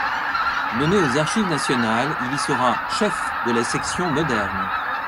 Nommé aux Archives nationales, il y sera chef de la section moderne.